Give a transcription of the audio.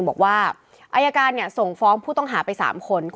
บอกว่าอายการส่งฟ้องผู้ต้องหาไป๓คน